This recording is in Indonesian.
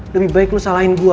lebih baik nu salahin gue